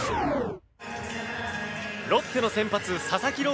ロッテの先発佐々木朗